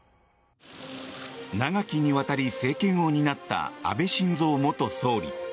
長きにわたり政権を担った安倍晋三元総理。